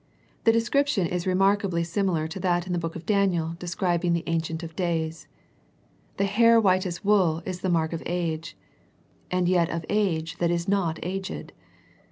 The description is remarkably similar to that in the book of Daniel, describing the " An cient of Days." The hair white as wool is the mark of age, and yet of age that is not aged.